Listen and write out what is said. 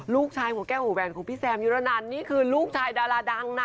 ลูกชายของแก้วหูแวนของพี่แซมยูระนันนี่คือลูกชายดาราดังนะ